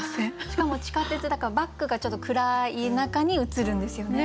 しかも地下鉄だからバックがちょっと暗い中に映るんですよね。